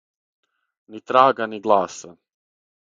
Ни трага ни гласа.